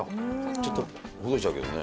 ちょっとほどいちゃうけどね。